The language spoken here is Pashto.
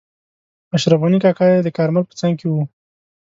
اشرف غني کاکا یې د کارمل په څنګ کې وو.